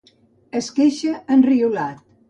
Es queixa, enriolat—.